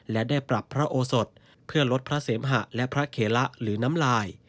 และได้ปรับพระโอสดเพื่อลดพระเสมหะและพระเคละหรือน้ำลาย